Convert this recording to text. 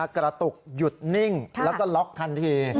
กระตุกหยุดนิ่งแล้วก็ล็อกทันที